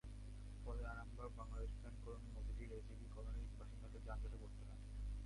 ফলে Arambagh, Bangladesh bank colony, Motijheel AGB কলোনির বাসিন্দাদের যানজটে পড়তে হয়।